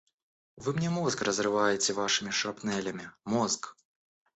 Вы мне мозг разрываете вашими шрапнелями, мозг!